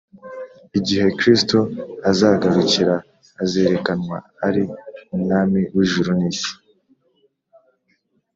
igihe kristo azagarukira, azerekanwa ari umwami w’ijuru n’isi